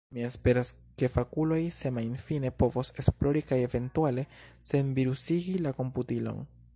Mi esperas, ke fakuloj semajnfine povos esplori kaj eventuale senvirusigi la komputilon.